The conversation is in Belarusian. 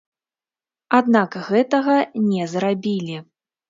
Аднак гэтага не зрабілі.